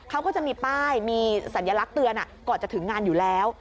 เขาก็จะมีป้ายมีสัญลักษณ์เตือนก่อนจะถึงงานอยู่แล้ว